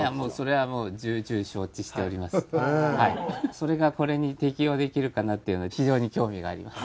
それがこれに適用できるかなっていうのは非常に興味があります。